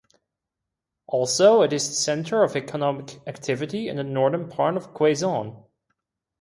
Also it is the center of economic activity in the northern part of Quezon.